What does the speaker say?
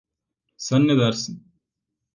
Sen ne dersin?